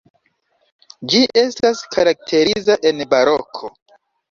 Ĝi estas karakteriza en baroko.